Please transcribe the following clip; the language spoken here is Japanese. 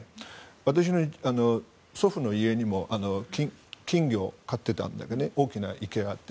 私の祖父の家でも金魚を飼っていたんだけど大きな池があって。